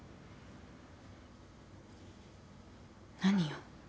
何よ。